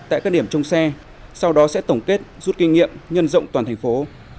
tại các điểm trong xe sau đó sẽ tổng kết rút kinh nghiệm nhân rộng toàn thành phố